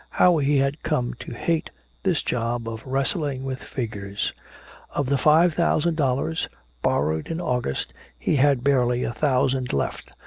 How he had come to hate this job of wrestling with figures. Of the five thousand dollars borrowed in August he had barely a thousand left.